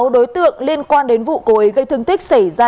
sáu đối tượng liên quan đến vụ cố ý gây thương tích xảy ra